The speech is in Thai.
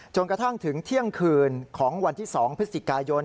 กระทั่งถึงเที่ยงคืนของวันที่๒พฤศจิกายน